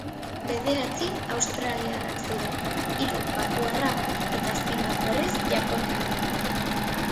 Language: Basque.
Bederatzi australiarrak ziren, hiru papuarrak eta azken bat, berriz, japoniarra.